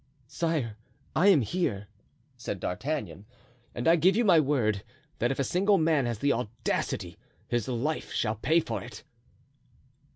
"Sire, I am here," said D'Artagnan, "and I give you my word, that if a single man has the audacity, his life shall pay for it."